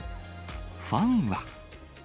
ファンは。